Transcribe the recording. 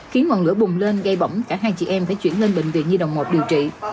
khiến ngọn lửa bùng lên gây bỏng cả hai chị em phải chuyển lên bệnh viện nhi đồng một điều trị